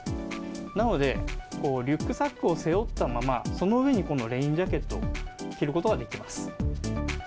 なので、リュックサックを背負ったまま、その上にこのレインジャケットを着ることができます。